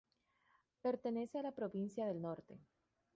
Pertenece a la provincia del Norte.